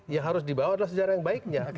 yang harus dibawa adalah sejarah yang baiknya